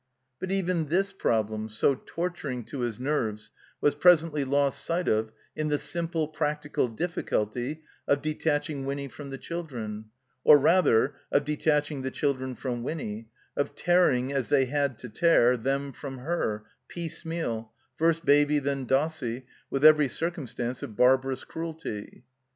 But even this problem, so torturing to his nerves, was presently lost sight of in the simple, practical difficulty of detaching Winny from the children; or rather, of detadiing the children from Winny, of tearing, as they had to tear, them from her, piece meal, first Baby, then Dossie, with every circum stance of barbarous cruelty.